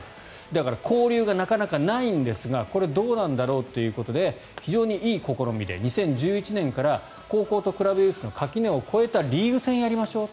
だから交流がなかなかないんですがこれどうなんだろうということで非常にいい試みで２０１１年から高校とクラブユースの垣根を越えたリーグ戦をやりましょう。